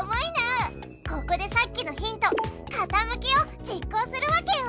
ここでさっきのヒント「かたむき」を実行するわけよ。